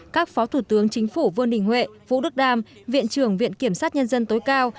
các phó thủ tướng chính phủ vương đình huệ vũ đức đam viện trưởng viện kiểm sát nhân dân tối cao